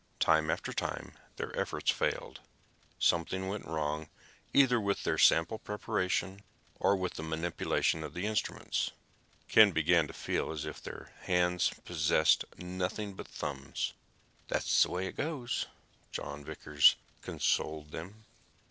Time after time, their efforts failed. Something went wrong either with their sample preparation, or with their manipulation of the instruments. Ken began to feel as if their hands possessed nothing but thumbs. "That's the way it goes," John Vickers consoled them.